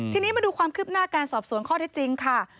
ทีนี้มาดูความคืบหน้าการสอบสวนข้อเท็จจริงค่ะ